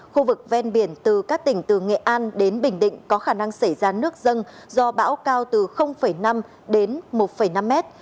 khu vực ven biển từ các tỉnh từ nghệ an đến bình định có khả năng xảy ra nước dân do bão cao từ năm đến một năm mét